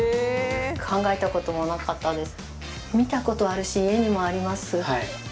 考えたこともなかったです。